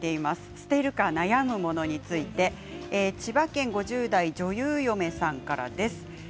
捨てるか悩むものについて千葉県５０代の方です。